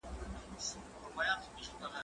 زه له سهاره زده کړه کوم